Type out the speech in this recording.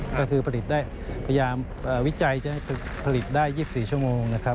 ก็คือพยายามวิจัยจะผลิตได้๒๔ชั่วโมง